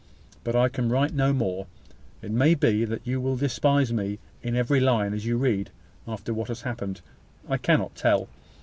But I can write no more. It may be that you will despise me in every line as you read: after what has happened, I cannot tell.